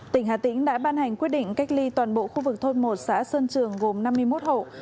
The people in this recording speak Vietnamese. tỉnh hà tĩnh đã ban hành quyết định cách ly toàn bộ khu vực thôn một xã sơn trường gồm năm mươi một hộ